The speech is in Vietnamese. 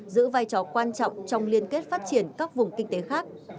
giữ vai trò quan trọng trong liên kết phát triển các vùng kinh tế khác